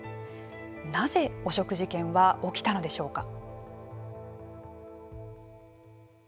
なぜ、汚職事件は起きたのでしょうか。